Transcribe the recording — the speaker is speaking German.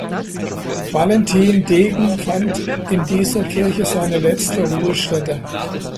Valentin Degen fand in dieser Kirche seine letzte Ruhestätte.